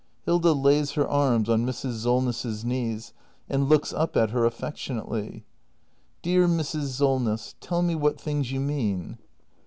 Hilda. [Lays her arms on Mrs. Solness's knees, and looks up at her affectionately.] Dear Mrs. Solness — tell me what things you mean!